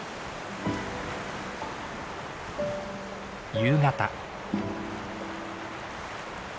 夕方。